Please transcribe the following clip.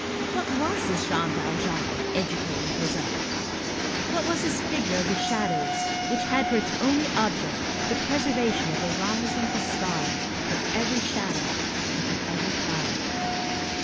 What was this Jean Valjean educating Cosette? What was this figure of the shadows which had for its only object the preservation of the rising of a star from every shadow and from every cloud?